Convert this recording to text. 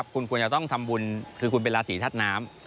คุณควรจะต้องทำบุญคือคุณเป็นราศีธาตุน้ำ